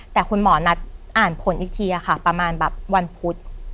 แต่คุณหมอนัดอ่านผลอีกทีค่ะประมาณแบบวันพุธ